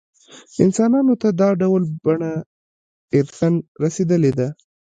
انسانانو ته دا ډول بڼه ارثاً رسېدلې ده.